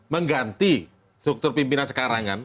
mengganti struktur pimpinan sekarang kan